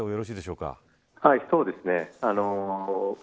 そうですね。